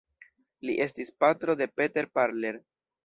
Li estis patro de Peter Parler.